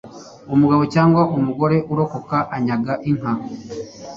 umugabo cyangwa umugore urokoka anyaga inka